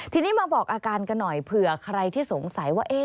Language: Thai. ทีนี้มาบอกอาการกันหน่อยเผื่อใครที่สงสัยว่า